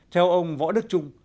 theo ông võ đức trung